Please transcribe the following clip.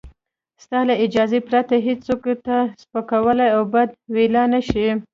ستا له اجازې پرته هېڅوک تا سپکولای او بد ویلای نشي.